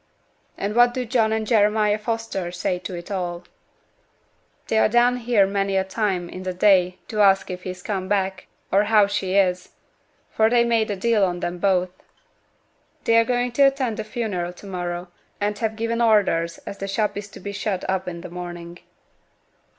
'And what do John and Jeremiah Foster say to it all?' 'They're down here many a time in t' day to ask if he's come back, or how she is; for they made a deal on 'em both. They're going t' attend t' funeral to morrow, and have given orders as t' shop is to be shut up in t' morning.'